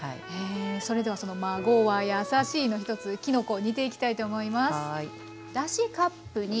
それではその「まごわやさしい」の一つきのこを煮ていきたいと思います。